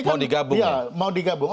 mau digabung ya mau digabung